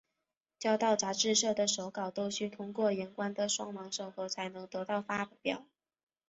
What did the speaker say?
交到杂志社的手稿都须通过客观的双盲审核才能得到发表。